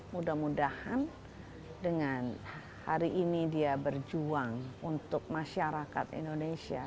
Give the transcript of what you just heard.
mudah mudahan dengan hari ini dia berjuang untuk masyarakat indonesia